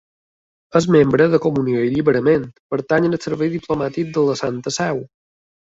És membre de Comunió i Alliberament, pertany al Servei Diplomàtic de la Santa Seu.